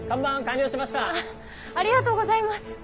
ありがとうございます。